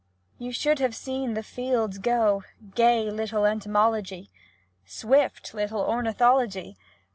You should have seen the fields go — gay little entomology ! Swift little ornithology